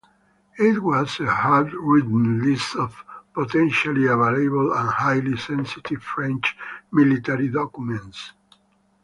It was a handwritten list of potentially available and highly sensitive French military documents.